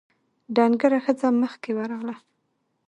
ډنګره ښځه مخکې ورغله: